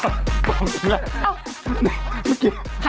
กลับไปจริงแหละ